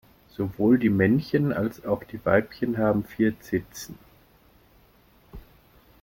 Sowohl die Männchen als auch die Weibchen haben vier Zitzen.